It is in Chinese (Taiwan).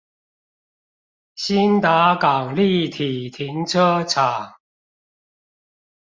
興達港立體停車場